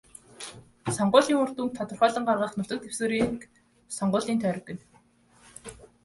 Сонгуулийн үр дүнг тодорхойлон гаргах нутаг дэвсгэрийг сонгуулийн тойрог гэнэ.